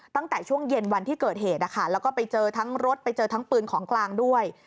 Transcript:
ตั้งแต่ช่วงเย็นวันที่เกิดเหตุนะคะแล้วก็ไปเจอทั้งรถไปเจอทั้งปืนของกลางด้วย